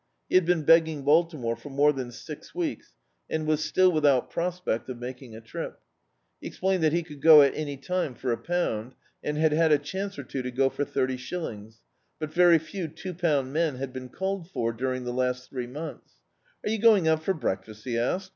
He had been begging Baltimore for more than six weeks, and was still without prospect of making a trip. He explained that he could go at any time for a pound, and had had a chance or two to go for thirty shillings, but very few two pound men had been called for during the last three months. "Are you going out for breakfast?" he asked.